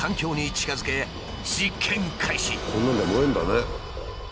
こんなんで燃えるんだね。